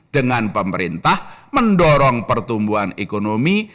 dengan pemerintah mendorong pertumbuhan ekonomi